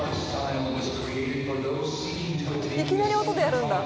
いきなり音でやるんだ